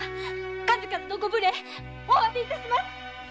数々のご無礼お詫び致します。